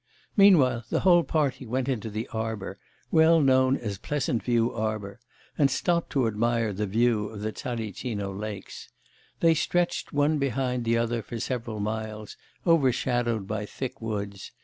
Meanwhile the whole party went into the arbour, well known as Pleasant View arbour, and stopped to admire the view of the Tsaritsino lakes. They stretched one behind the other for several miles, overshadowed by thick woods.